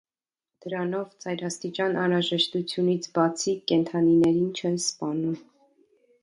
Դրանով, ծայրաստիճան անհրաժեշտությունից բացի, կենդանիներին չեն սպանում։